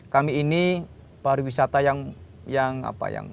kami ini pariwisata yang muat